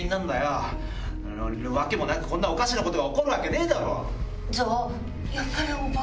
訳もなくこんなおかしなことが起こるわけねえだろ！